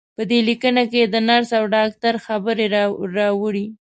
په دغې ليکنې کې د نرس او ډاکټر خبرې راوړې.